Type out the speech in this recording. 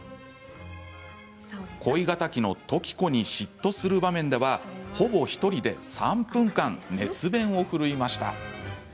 恋敵の時子に嫉妬する場面ではほぼ１人で３分間熱弁を振るいました。